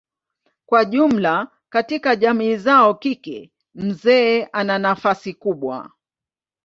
Kwa jumla katika jamii zao kike mzee ana nafasi kubwa.